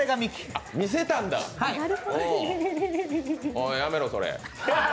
おい、やめろそれ。